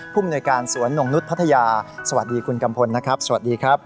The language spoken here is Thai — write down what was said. ภูมิหน่วยการสวนนงนุษย์พัทยาสวัสดีคุณกัมพลนะครับสวัสดีครับ